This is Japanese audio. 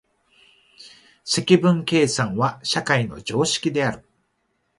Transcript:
積分計算は社会の常識である。